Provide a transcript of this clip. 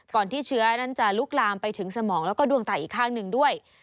ที่เชื้อนั้นจะลุกลามไปถึงสมองแล้วก็ดวงตาอีกข้างหนึ่งด้วย